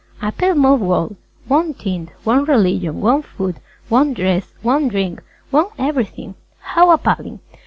A pale mauve World! One tint, one religion, one food, one dress, one Drink, one everything. How appalling!